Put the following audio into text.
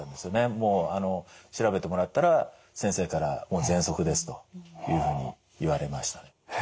もうあの調べてもらったら先生からぜんそくですというふうに言われましたね。